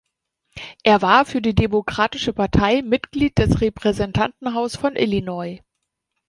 Er war für die Demokratische Partei Mitglied des Repräsentantenhaus von Illinois.